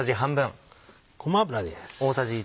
ごま油です。